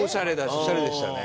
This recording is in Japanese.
おしゃれでしたね。